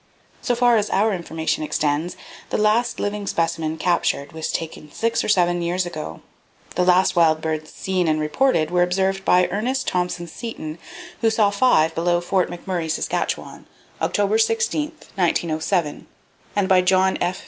So far as our information extends, the last living specimen captured was taken six or seven years ago. The last wild birds seen and reported were observed by Ernest Thompson Seton, who saw five below Fort McMurray, Saskatchewan, October 16th, 1907, and by John F.